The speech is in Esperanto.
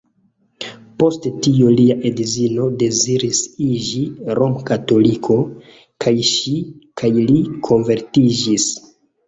Post tio lia edzino deziris iĝi rom-katoliko, kaj ŝi kaj li konvertiĝis.